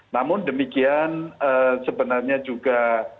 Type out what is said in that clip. namun demikian sebenarnya juga